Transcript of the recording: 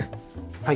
はい。